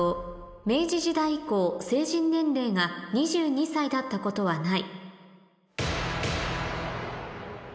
「明治時代以降成人年齢が２２歳だったことはない」